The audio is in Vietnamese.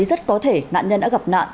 rất có thể nạn nhân đã gặp nạn